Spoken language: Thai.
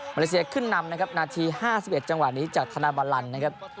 เลเซียขึ้นนำนะครับนาที๕๑จังหวะนี้จากธนาบาลันนะครับ